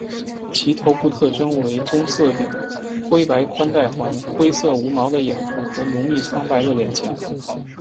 其头部特征为棕色顶、灰白宽带环、灰色无毛的眼部和浓密苍白的脸颊。